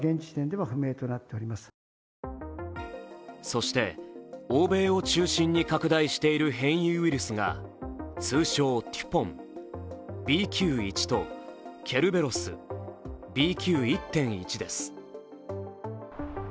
そして欧米を中心に拡大している変異ウイルスが通称・テュポン＝ＢＱ１とケルベロス＝ＢＱ１．１です。